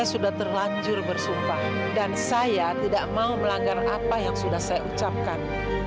saya sudah terlanjur bersumpah dan saya tidak mau melanggar apa yang sudah saya ucapkan